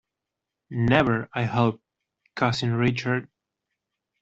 Never, I hope, cousin Richard!